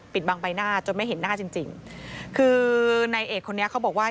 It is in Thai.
ปิดบังใบหน้าจนไม่เห็นหน้าจริงคือในเอกคนนี้เขาบอกว่า